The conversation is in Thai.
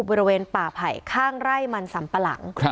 บริเวณป่าไผ่ข้างไร่มันสัมปะหลัง